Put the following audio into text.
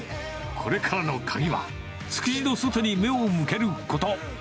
これからの鍵は、築地の外に目を向けること。